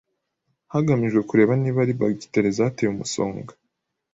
hagamijwe kureba niba ari bagiteri zateye umusonga.